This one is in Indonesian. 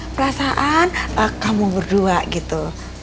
perasaan kamu berdua gitu